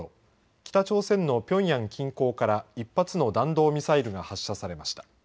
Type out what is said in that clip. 北朝鮮のピョンヤン近郊から１発の弾道ミサイルが発射されました。